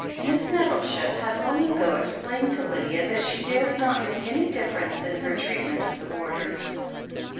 Miss Nettleship had long ago explained to Lydia that she dared not make any difference in her treatment of the boarders.